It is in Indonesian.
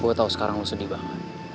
gue tau sekarang sedih banget